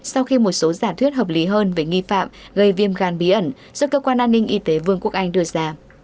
sau khi một số giả thuyết hợp lý hơn về nghi phạm gây viêm gan bí ẩn do cơ quan an ninh y tế vương quốc anh đưa ra